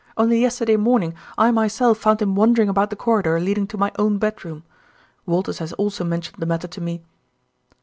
Only yesterday morning I myself found him wandering about the corridor leading to my own bedroom. Walters has also mentioned the matter to me."